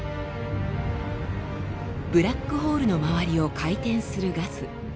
ブラックホールの周りを回転するガス。